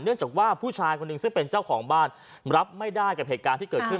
จากว่าผู้ชายคนหนึ่งซึ่งเป็นเจ้าของบ้านรับไม่ได้กับเหตุการณ์ที่เกิดขึ้น